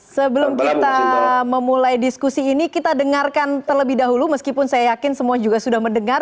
sebelum kita memulai diskusi ini kita dengarkan terlebih dahulu meskipun saya yakin semua juga sudah mendengar